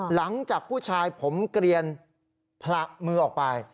หลังจากผู้ชายผมเกลียนผละมือออกไป